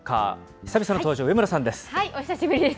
久々の登場、上村さんです。